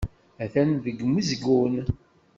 Attan deg umezgun.